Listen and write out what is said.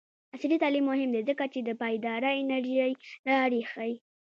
عصري تعلیم مهم دی ځکه چې د پایداره انرژۍ لارې ښيي.